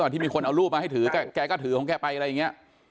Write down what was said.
ที่มีคนเอารูปมาให้ถือแกก็ถือของแกไปอะไรอย่างนี้